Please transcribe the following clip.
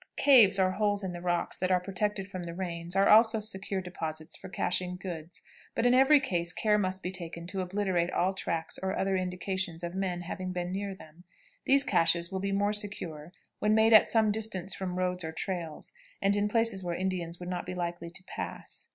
Caves or holes in the rocks that are protected from the rains are also secure deposits for caching goods, but in every case care must be taken to obliterate all tracks or other indications of men having been near them. These cachés will be more secure when made at some distance from roads or trails, and in places where Indians would not be likely to pass.